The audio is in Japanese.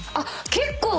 結構。